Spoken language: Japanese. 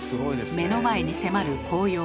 目の前に迫る紅葉。